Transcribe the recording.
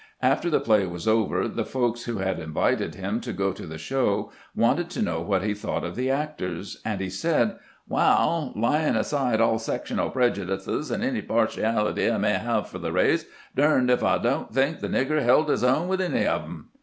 After the play was over the folks who had invited him to go to the show wanted to know what he thought of the actors, and he said: 'Waal, layin' aside all sectional prejudices and any partiality I may have for the race, derned ef I don't think the nig ger held his own with any on 'em.'